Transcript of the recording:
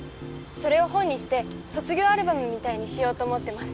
それを本にして卒業アルバムみたいにしようと思ってます。